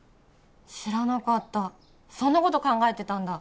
知らなかったそんなこと考えてたんだ